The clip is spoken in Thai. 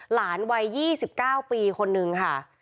หลานวัย๒๙ปีคนนึงค่ะ